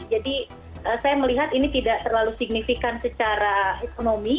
jadi saya melihat ini tidak terlalu signifikan secara ekonomi